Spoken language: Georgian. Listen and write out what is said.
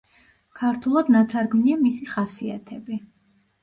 ქართულად ნათარგმნია მისი „ხასიათები“.